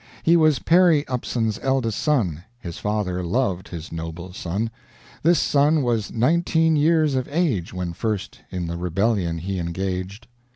He was Perry Upson's eldest son, His father loved his noble son, This son was nineteen years of age When first in the rebellion he engaged.